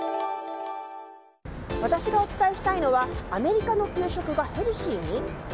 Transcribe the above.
私がお伝えしたいのはアメリカの給食がヘルシーに？